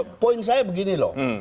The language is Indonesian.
jadi poin saya begini loh